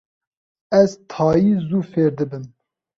Ez tayî zû fêr dibim.